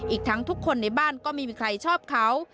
อีกทั้งทุกคนในบ้านก็ไม่มีใครชอบเขา